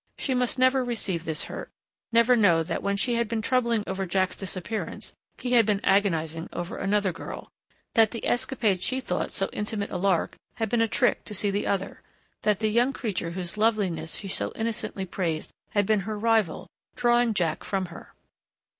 She must never receive this hurt, never know that when she had been troubling over Jack's disappearance he had been agonizing over another girl that the escapade she thought so intimate a lark had been a trick to see the other that the young creature whose loveliness she so innocently praised had been her rival, drawing Jack from her....